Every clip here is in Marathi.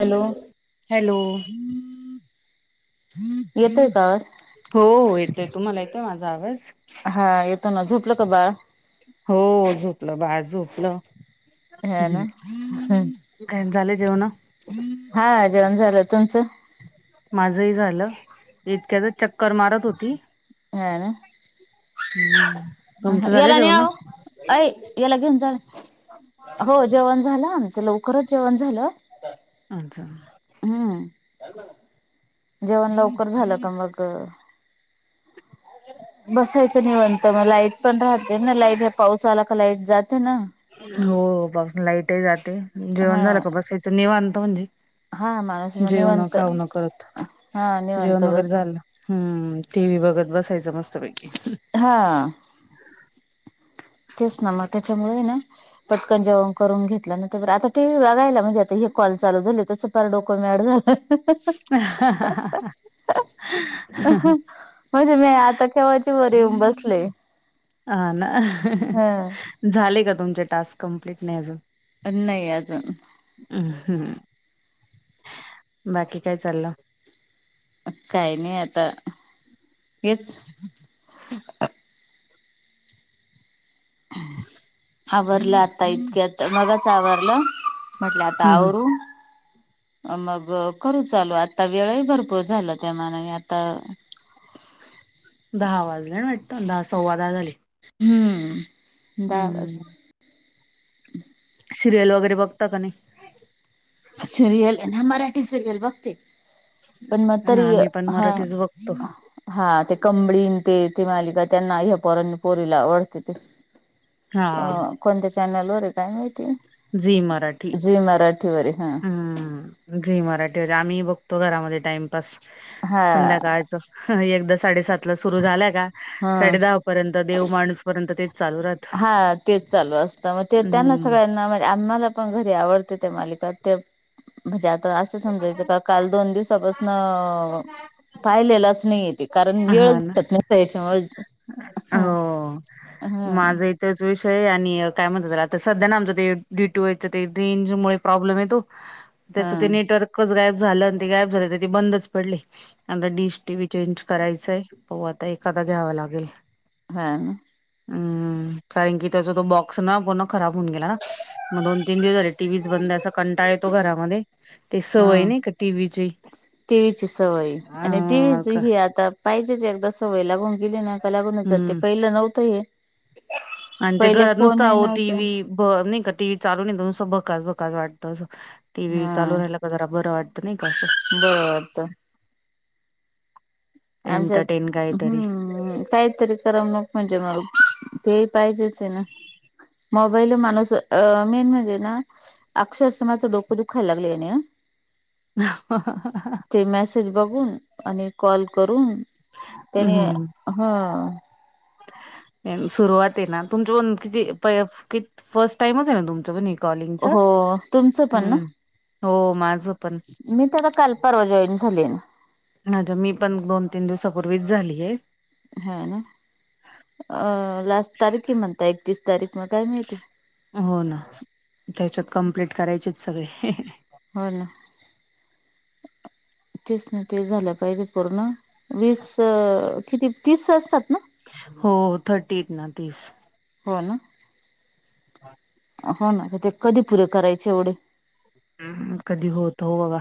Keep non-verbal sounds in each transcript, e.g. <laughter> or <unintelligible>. हॅलो हॅलो येतोय का आवाज. हो येतोय तुम्हाला येतोय माझा आवाज. हा येतो ना झोपलं का बाळ? हो झोपलं बाळ झोपलं. हा ना काय झाले जेवणं हा जेवण झालं तुमचं माझंही झालं इतक्याच चक् कर मारत होती हा ना हम् तुमचं झालं याला न्या जेवणं. ओ अय याला घेऊन जावा हो जेवण आमच लवकरच जेवण झालं. अछ हम्म. जेवण लवकर झालं का मग बसायच. नि म्हणत मग लाईट पण राहते ना लाईट ह पावसा आला का लाईट जाते ना. हो पासून लाईटही जाते हा जेवण झालं का बस याच निवांत म्हटले. हा माणूस मग जेवणं निवांत खाऊन करत हा निवांत जेवण वगैरे बस झालं. हम्म टी व्ही बघत बसायचं मस्तपैकी. हा. तेच ना मग त्याच्यामुळे ना. पटकन जेवण करून घेतलं ना तर बर आता टीव्ही बघायला म्हणजे आता हे कॉल चालू झाले तसं फार डोक मॅड झालं. <unintelligible> म्हणजे मी आता केव्हाची वर येऊन बसले. ह ना ह झाले का तुमचे टाॅस्क कंप्लीट नाही अजून? अ नाही अजून. हम् हम्म बाकी काय चाललं? काय नाही आता हेच. आवरलं आता इतक्यात मगशी आवरलं म्हटलं आता आवरू अ मग करू चालू आता वेळही भरपूर झाला त्यामानाने आता दहा वाजले ना वाटत दहा सव्वा दहा झाले. हम्म दहा वाजून हम्म. सिरियल वगैरे बघता का नाही? सिरियल हे ना मराठी सिरियल बघते. पण मग तरी आम्ही पण हा मराठीच बघतो हा ते कंबळी आणि ते ते मालिका त्यांना हे पोरा नी पोरीला आवडते ते. हा अ कोणत्या चॅनलवर आहे काय माहिती. झी मराठी. झी मराठी वरील. हम्म झी मराठीवर आम्हीही बघतो घरामध्ये टाइमपास हा संध्याकाळचं. एकदा साडेसात ला सुरु झाला का हम्म साडे दहा पर्यंत देव माणूसपर्यंत हा तेच चालू असतं मग ते त्यांना हम्म. सगळ्यांना म्हणजे आम्हाला घरी आवडते ते मालिका ते भज्या ता असं समजायचं का काल दोन दिवसापासूनं पाहिलेलाच नाही ते. कारण वेळचं भेटतं नाही ना त्यांच्या मुळे हो माझं ही तेच विषय आहं आणि काय म्हणत्याला आता सध्या ना आमचं ते डेट टू एच ते रेंज मुळे प्रॉब्लेम येतो. हा त्याचं ते नेटवर्कच गायब झालं आणि ते गायब झाली ती बंदच पडले. आता डिश टी व्ही चेंज करायचंय आहं पाऊ आता एखादा घ्यावा लागेल. हा हम्म कारण कि त्याचा तो बॉक्स ना पर्ण खराब होऊन गेला. मग दोन तीन दिवस झाले टीव्हीचं बंद आहे असा कंटाळा येतो घरामध्ये‍ ह् अ टीव्हीची सवय आहं आणि अ तेच का हे आता पाहिजे ते एकदा सवय लागून गेली ना का लागूनच जाते हम्म. पहिलं नव्हतं हे. आणि ते पहिले घरात नुसता फोनही अहो टी नव्हता व्ही ब नाही का टीव्ही चालू नाही तसं बकास बकास वाटतं असं. टी व्ही हा चालू राहिला का जरा बरं वाटतं नाही का असं. बरत आच्यात एंटरटेन काहीतरी. हम्म. हम् काहीतरी कराव मग म्हणजे म तेही पाहिजेच आहे ना. मोबाईल ने माणूस मेन म्हणजे ना अक्षरशा माझं डोकं दुखायला लागलंय यानं. <unintelligible> ते मेसेज बघून आणि कॉल करून त्याने हम्म. ह्अ, सुरुवात आहे ना तुमच पण किती प की फर्स्ट टाइमच आहे ना तुमचं पण? कॉलिंगच हो तुमचं पण ना हो माझं पण. मी तर आता काल परर्वा जॉईन झाली आहे. माझं मी पण दोन तीन दिवसापूर्वीच झाली हे. हा ना, अ लास्ट तारीखे म्हणता, एकतीस तारीख मग काय माहिती. हो ना, त्याच्यात कंम्प्लीट करायचेत सगळे. हो ना, तेच ना ते झालं पाहिजे पूर्ण. वीस, किती तीस असतात? ना हो थर्टी आहेत ना तीस. हो ना. <inaudible> हो ना, मग ते कधी पुरे करायचे एवढे. कधी होतो बाबा,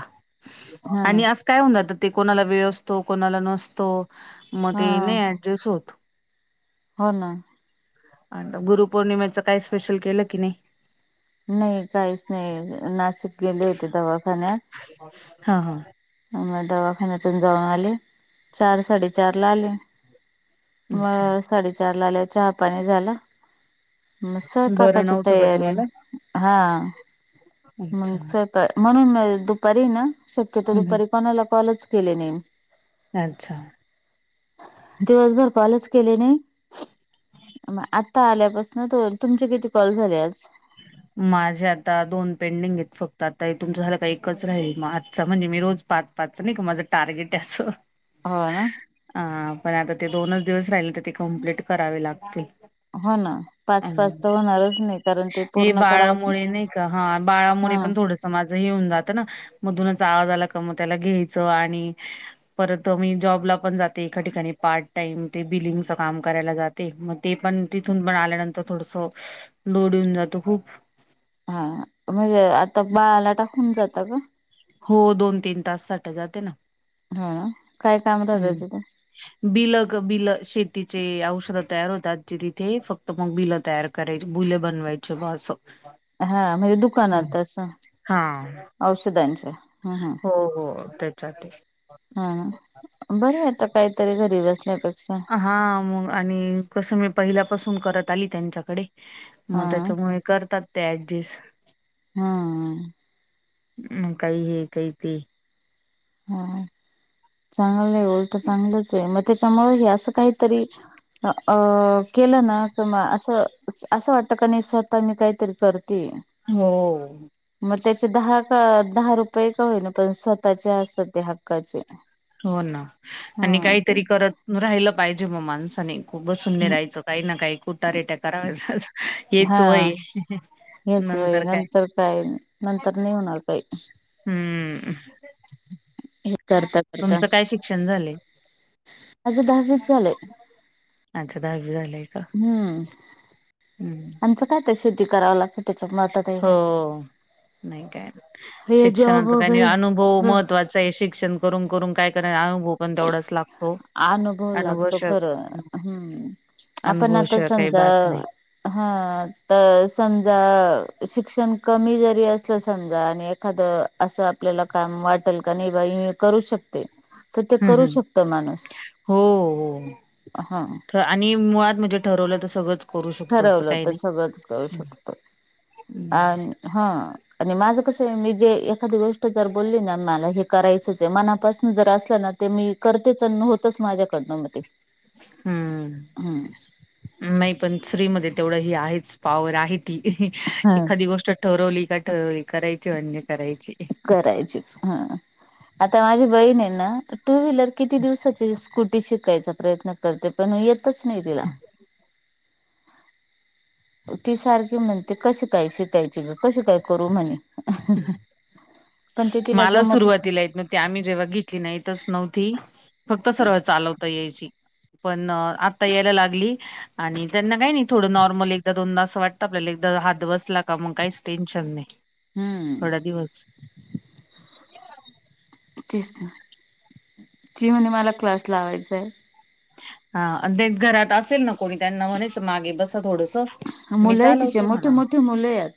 हो ना आणि आस काही हुन जातात ते, कोणाला वेळ असतो कोणाला नसतो, मग हा ते नाही ऍडजस्ट होत. हो ना. आता गुरुपौर्णिमेचं काही स्पेशल केलं की नाही.? नाही काहीच नाही, नाशिक गेले होते दवाखान्यात. हा हा. म दवाखान्यातून जाऊन आले, चार साडेचार ला आले. अच्छा मग साडेचार ला आल्यावर चहा पाणी झालं. मग बरं स्वयपाकाची नव्हतं का तयारी, तुम्हाला हा अच्छा मग हम्म, म्हणून दुपारी हे ना, शक्यतो हम्म. दुपारी कोणाला कॉलच केले नाही मी. अच्छा. दिवसभर कॉलच केले नाही. मग आता आल्यापासनं तुमचे किती कॉल झाले आज? माझे आता दोन पेंडिंग आहेत, फक्त आता तुमचं झालं का एकच राहील, म आजचा म्हणजे मी रोज पाच पाच नाही का माझं टार्गेटय असं. हो ना. हा, पण आता ते दोनच दिवस राहिले तर ते कंम्प्लीट करावे लागतील. हो ना, अ, पाच पाच तर होणारच नाही कारण ते हे पूर्ण करावंच बाळामुळे नाही का, हा बाळामुळे हा पण थोडंस माझं हे हुन जातं ना, मधूनच आवाज आला क म त्याला घ्यायचं आणि परत मी जॉबला पण जाते एका ठिकाणी पार्ट टाइम, ते बिलिंगच काम करायला जात ते, मग ते पण तिथून पण आल्यानंतर थोडसं लोड येऊन जातो खूप. हा, म्हणजे आता बाळाला टाकून जाता का? हो, दोन तीन तास साठी जाते ना. हा, काय काम राहतं तिथं? बिलं ग बिलं, शेतीचे औषधं तयार होतात जे तिथे फक्त तर मग बिलं तयार करायची, बुले बनवायचे ब असं. हा म्हणजे हा दुकानात असं, हा औषधांच्या. ह ह हो हो त्याच्यातय. हा, बरय आता काहीतरी घरी बसल्यापेक्षा हा, मग आणि कसं मी पहिल्यापासून करत आली त्यांच्याकडे. मग हा त्याच्यामुळे करतात ते ऍडजेस्ट. हा. मग काही हे काही ते. हा चांगलंय उलटं चांगलंच आहे, मग त्याच्यामुळे हे असं काहीतरी अ केलं ना, क मग असं असं वाटतं का नाही स्वतः मी काहीतरी करतेय.. हो. मग त्याचे दहा दहा रुपये का होई ना पण स्वतःचे असतात ते हक्काचे. हो ना हा आणि असं काहीतरी करत राहिलं पाहिजे मग माणसाने बसुन नाही राहायचं. काही ना काही कुठ रेट्या करावच हेच हा वय. हेच वय नंतर काय नंतर नाही होणार काही, हम्म <inaudible> करता करता. तुमचं काय शिक्षण झालंय आज दहावीज झालंय. अच्छा दहावी झालंय का? हम् त्यांच काय ते शेती करावं लागत. हो नाही काय, हे जॉब शिक्षणाचा काही नाही अनुभव वगैरे महत्वाचा. शिक्षण करून करून कायतरा अनुभव पण तेवढंच लागतोच. अनुभव लागतो खरं, हं, हम्म आपण आता अनुभवशिवाय काही समजा. बात नाही. हा तर समजा शिक्षण कमी जरी असलं समजा आणि एखादं- असं आपल्याला काम वाटेल का नाही बा करू शकते तर ते हम्म करू हम्म. शक- हो हा हो आणि मुळात म्हणजे ठरवलं तर सगळंच करू शकतो असं ठरवलं काही तर नाही. सगळंच करु शकतो. आणि हा आणि माझं कसं मी जे एखादी गोष्ट जर बोलली ना मला हे करायचंचे आहे. मनापासन असलं ना ते मी करतेच होतच माझ्याकडनं मग ते. हम्म, हम्म नाही पण स्त्री म तेवढं ह आहेच पॉवर आहे. हा एखादी गोष्ट ठरवली का ठरवली करायची म्हणजे करायची. हम्म आता माझी बहीण ना टू व्हीलर किती दिवसाची स्कूटी शिकायचा प्रयत्न करते पण येतच नाही तिला. ती सारखी म्हणती. ते कसे काय शिकायचेग, कशी काय करू म्हणे. पण ते तिला मला जमतच सुरुवातीला इथुनं ते आम्ही जेव्हा घेतली नाही तस नव्हती फक्त सरळ चालवता यायची. पण आता यायला लागली. आणि त्यांना काही नाही थोडं नॉर्मल एकदा दोनदा अस वाटतं आपल्याला एकदा हात बसला का मग काहीच टेन्शन नाही. हम्म थोड्या दिवस. तेच तर, ती म्हणे मला क्लास लावायचाय. हा आणि ते घरात असेल ना कोणी त्यांना म्हणायचं मागे बसा थोडंसं. मुलं आहे तिचे मोठे मोठे मुलं आहेत.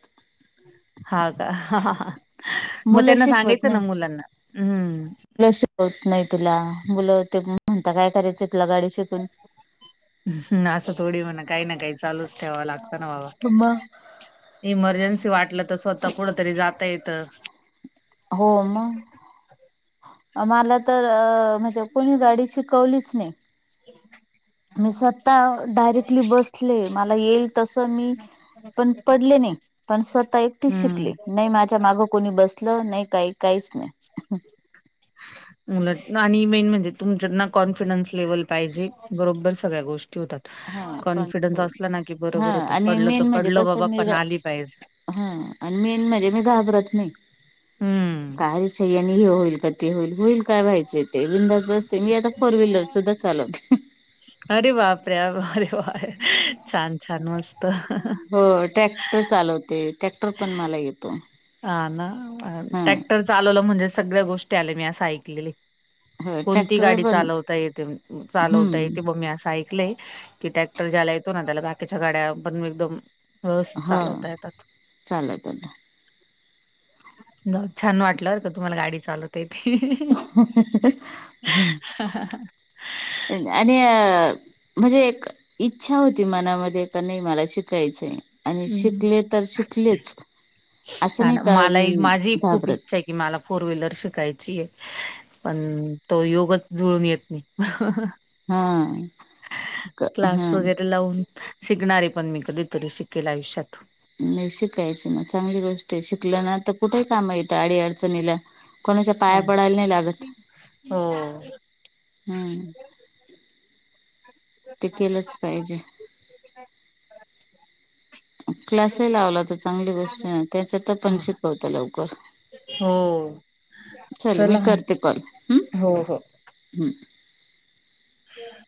हा का मग मुलं त्यांना शिकवत सांगायचं ना नाही मुलांना. हम्म होत नाही तुला, मुलं ते म्हणता काय करायचं तुला गाडी शिकून. ह असं थोडी म्हणा काही ना काही चालूच ठेवा लागतं ना बाबा, मग इमर्जन्सी वाटलं तर स्वतः कुठतरी जाता येत. हो मग मला तर अ म्हणजे कोणी गाडी शिकवलीच नाही. ह <inaudible> मी स्वतः डायरेक्टली बसले मला येईल तस मी, पण पडले नाही पण स्वतः एकटी हम्म शिकले. नाही माझ्या मागं कोणी बसलं नाही काही काहीच नाही. उलट मेन म्हणजे तुमच्यातना कॉन्फिडन्स लेव्हल पाहिजे बरोबर सगळ्या गोष्टी होतात. कॉन्फिडन्स असला ना की हा बरोबर होत आणि पडलं तर मेन म्हणजे पडल बाबा कसं मी पण आली पाहिजे. हा आणि मेन म्हणजे मी घाबरत नाही. हम्म काय सगळ्यांनी आणि हे होईल का ते होईल. होईल काय व्हायचं ते बिंधास बसते मी आता फोर व्हीलर सुद्धा चालवते. अरे बाप रे अरे वा छान छान मस्त. हो ट्रॅक्टर चालवते, ट्रॅक्टर पण मला येतो. हा ना? हा ट्रॅक्टर चालवलं म्हणजे सगळ्या गोष्टी आल्या मी असं ऐकलेल आहे. हो कोणतीही ट्रॅक्टर गाडी पण चालवता येते, चालवता हम्म येते बघ मी अस ऐक लंय, की टॅक्टर ज्याला येतो ना त्याला बाकीच्या गाड्या पण एकदम व्यवस्थित चालवता येतात. चालवते मग. <unintelligible> छान वाटलं बरं का तुम्हाला गाडी चालव तेच की. आणि म्हणजे एक इच्छा होती मनामध्ये, का नाही मला शिकायचं आहे. आणि हं, शिकले तर शिकलेच असं छान. नाही का मलाही माझी खूप घाबरत. इच्छा आहे, की मला फोर व्हीलर शिकायची आहे. पण तो योगच जुळून येत नाही. हा क्लास हा वगैरे लावून शिकणार आहे पण मी कधीतरी शिकेल आयुष्यात. नाही शिकायचं, ‌मग चांगली गोष्ट आहे शिकलं ना तर कुठेही काम येतं आडी अडचणीला. कोणाच्या पाया हो ना. पडायला नाही लागत. हो. हम्म, ते केलच पाहिजे. <inaudible> क्लासही लावला तर चांगली गोष्ट आहे त्याच्यात पण हां. शिकवत लवकर. हो. चल मी चला मग. करते कॉल, हम्म हो, हो. हम्म. <inaudible>